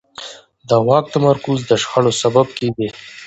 د واک تمرکز د شخړو سبب کېږي